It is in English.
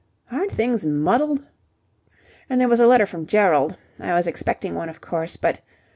Aren't things muddled? "And there was a letter from Gerald. I was expecting one, of course, but...